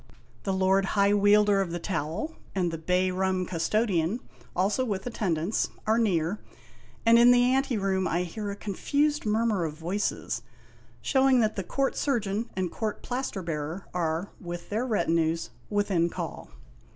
The Lord High Wielder of the Towel, and the Bay Rum Custodian, also with attendants, are near, and in the anteroom I hear a confused mur mur of voices, showing that the Court Surgeon and Court Plaster Bearer are, with their retinues, within call.